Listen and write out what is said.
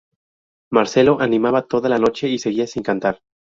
Marcelo animaba toda la noche y seguía sin cantar.